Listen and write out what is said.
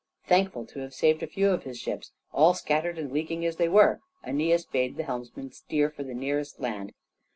Thankful to have saved a few of his ships, all shattered and leaking as they were, Æneas bade the helmsman steer for the nearest land.